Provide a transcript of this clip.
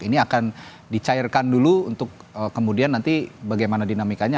ini akan dicairkan dulu untuk kemudian nanti bagaimana dinamikanya